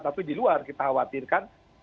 tapi di luar kita khawatirkan